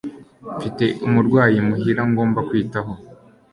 mfite umurwayi imuhira ngomba kwitaho